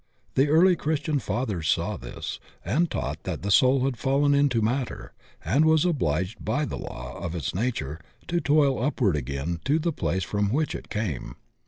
The early Christian Fa thers saw this, and taught that the soul had fallen into matter and was obliged by the law of its nature to toil upward again to the place from which it came.